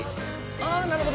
ああなるほど。